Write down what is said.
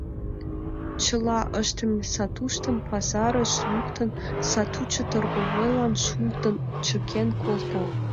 Чыла ыштыме сатуштым, пазарыш луктын, сатучо торговойлан шулдын чыкен колтат.